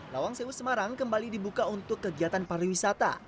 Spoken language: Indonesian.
lawang sewu semarang kembali dibuka untuk kegiatan pariwisata